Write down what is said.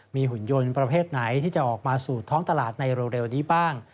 มีหุ่นยนต์ประเภทไหนที่จะออกมาสู่ท้องตลาดในเร็วนี้บ้าง